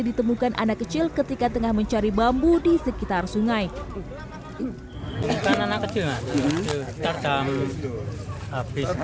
ditemukan anak kecil ketika tengah mencari bambu di sekitar sungai karena kecil terdampil habis